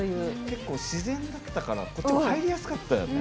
結構、自然だったから入りやすかったよね。